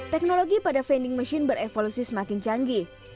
teknologi pada vending machine berevolusi semakin canggih